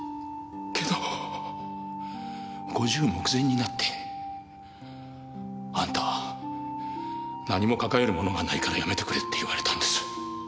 けど５０目前になって「あんたは何も抱えるものがないから辞めてくれ」って言われたんです。